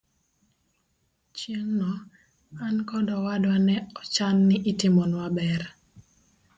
Chieng' no, an kod owadwa ne ochan ni itimonwa bero.